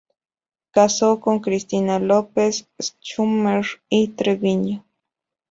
Casó con Cristina López-Schümmer y Treviño.